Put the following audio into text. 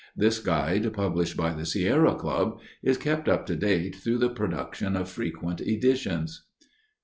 This guide, published by the Sierra Club, is kept up to date through the production of frequent editions.